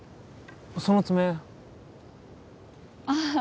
その爪ああ